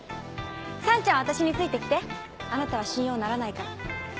さんちゃんは私について来てあなたは信用ならないから。